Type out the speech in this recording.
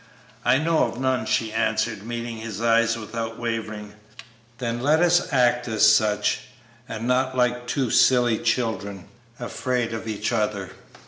"I know of none," she answered, meeting his eyes without wavering. "Then let us act as such, and not like two silly children, afraid of each other.